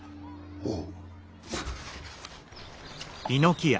おう。